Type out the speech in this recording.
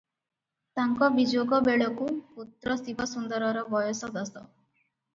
ତାଙ୍କ ବିଯୋଗ ବେଳକୁ ପୁତ୍ର ଶିବସୁନ୍ଦରର ବୟସ ଦଶ ।